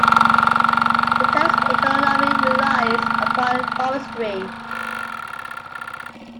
The town's economy relies upon forestry.